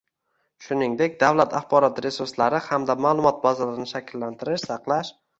shuningdek, davlat axborot resurslari hamda ma'lumot bazalarini shakllantirish, saqlash